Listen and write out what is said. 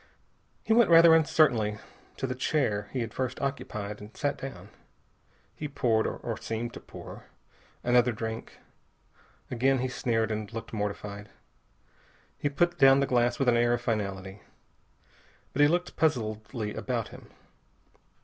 He went rather uncertainly to the chair he had first occupied and sat down. He poured or seemed to pour another drink. Again he sneered, and looked mortified. He put down the glass with an air of finality. But he looked puzzledly about him.